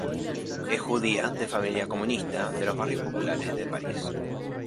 Es judía, de familia comunista, de los barrios populares de París.